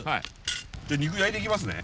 じゃあ肉焼いていきますね。